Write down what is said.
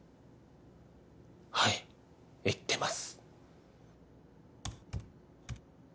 はい言ってます